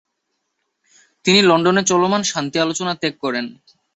তিনি লন্ডনে চলমান শান্তি আলোচনা ত্যাগ করেন।